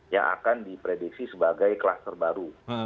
yang akan diprediksi sebagai kluster baru